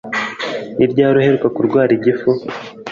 Ni ryari uheruka kurwara igifu?